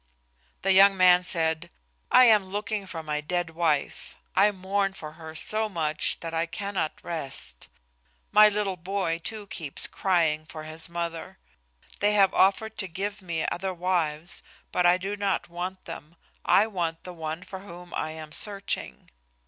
The young man said, "I am looking for my dead wife. I mourn for her so much that I cannot rest. My little boy too keeps crying for his mother. They have offered to give me other wives, but I do not want them. I want the one for whom I am searching."